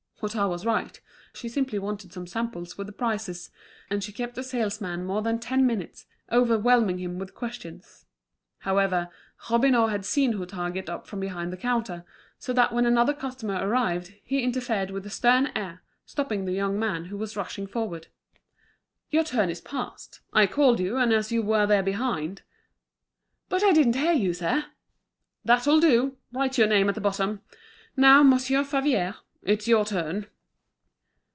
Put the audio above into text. Hutin was right, she simply wanted some samples with the prices; and she kept the salesman more than ten minutes, overwhelming him with questions. However, Robineau had seen Hutin get up from behind the counter; so that when another customer arrived, he interfered with a stern air, stopping the young man, who was rushing forward. "Your turn is passed. I called you, and as you were there behind—" "But I didn't hear you, sir." "That'll do! Write your name at the bottom. Now, Monsieur Favier, it's your turn."